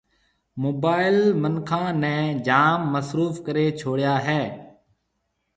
موبائل منکان نيَ جام مصروف ڪرَي ڇوڙيا ھيََََ